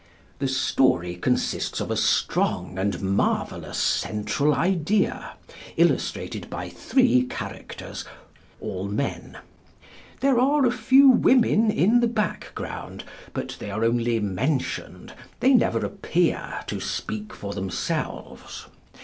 The story consists of a strong and marvellous central idea, illustrated by three characters, all men. There are a few women in the background, but they are only mentioned: they never appear to speak for themselves.